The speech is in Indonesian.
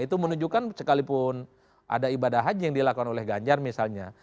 itu menunjukkan sekalipun ada ibadah haji yang dilakukan oleh ganjar misalnya